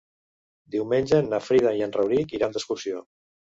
Diumenge na Frida i en Rauric iran d'excursió.